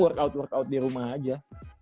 workout workout di rumah aja